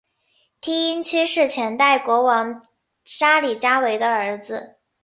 梯因屈是前代国王沙里伽维的儿子。